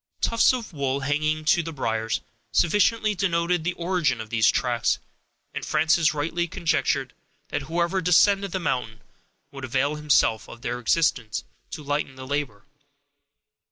Tufts of wool, hanging to the briers, sufficiently denoted the origin of these tracks, and Frances rightly conjectured that whoever descended the mountain, would avail himself of their existence, to lighten the labor.